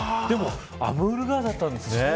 でもアムール川だったんですね。